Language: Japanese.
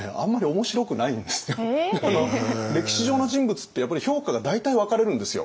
実は歴史上の人物ってやっぱり評価が大体分かれるんですよ。